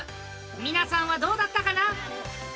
皆さんはどうだったかな？